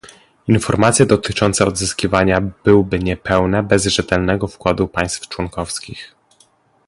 Informacje dotyczące odzyskiwania byłby niepełne bez rzetelnego wkładu państw członkowskich